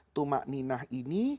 tumak ninah ini